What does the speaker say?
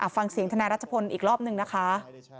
ฟังเสียงทนายรัชพลอีกรอบหนึ่งนะคะ